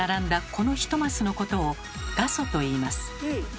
この１マスのことを「画素」といいます。